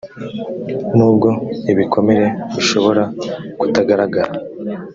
nubwo ibikomere bishobora kutagaragara